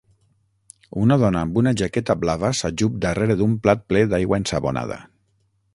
Una dona amb una jaqueta blava s'ajup darrere d'un plat ple d'aigua ensabonada.